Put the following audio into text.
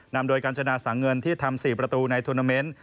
นำโดยกัญจนาสังเงินที่ทำ๔ประตูในทวนาเมนต์